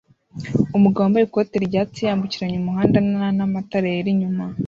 Umugabo wambaye ikote ryatsi yambukiranya umuhanda nana matara yera inyuma